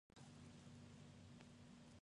Esta banda duró solo un concierto.